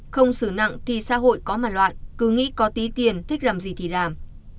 không sử nặng thì xã hội có mà loạn cứ nghĩ có tí tiền thích làm gì thì làm